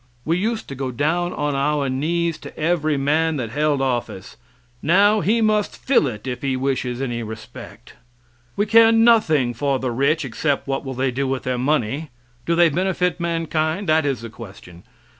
We used to go down on our knees to every man that held office; now he must fill it if he wishes any respect. We care nothing for the rich, except what will they do with their money? Do they benefit mankind? That is the question.